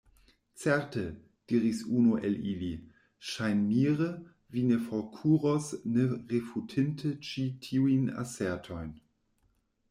Certe, diris unu el ili, ŝajnmire, vi ne forkuros, ne refutinte ĉi tiujn asertojn!